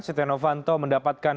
siti novanto mendapatkan